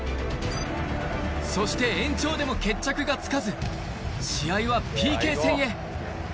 そして延長でも決着がつかず、試合はＰＫ戦へ。